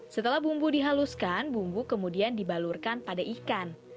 setelah bumbu dihaluskan bumbu kemudian dibalurkan pada ikan